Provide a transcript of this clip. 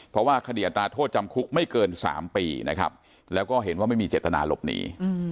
เพราะว่าคดีอัตราโทษจำคุกไม่เกิน๓ปีนะครับแล้วก็เห็นว่าไม่มีเจตนาหลบหนี